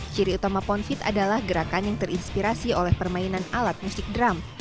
ciri utama pound feet adalah gerakan yang terinspirasi oleh permainan alat musik drum